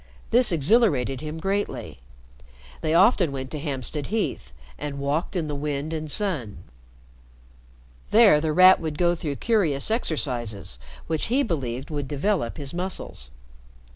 This exhilarated him greatly. They often went to Hampstead Heath and walked in the wind and sun. There The Rat would go through curious exercises which he believed would develop his muscles.